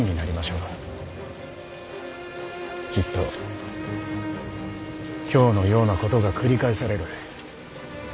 きっと今日のようなことが繰り返される。